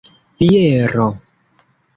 biero